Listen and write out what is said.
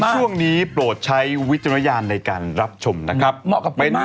ช่วงนี้โปรดใช้วิจารณญาณในการรับชมนะครับเหมาะกับใบหน้า